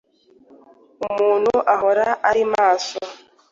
umuntu ahora ari maso,